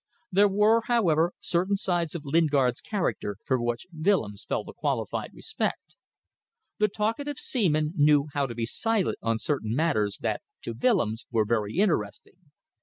There were, however, certain sides of Lingard's character for which Willems felt a qualified respect. The talkative seaman knew how to be silent on certain matters that to Willems were very interesting.